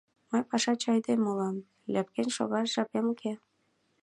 Мый пашаче айдеме улам, ляпкен шогаш жапем уке!